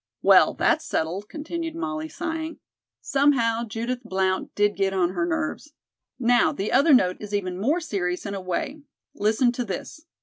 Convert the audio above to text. "Well, that's settled," continued Molly sighing. Somehow, Judith Blount did get on her nerves. "Now, the other note is even more serious in a way. Listen to this."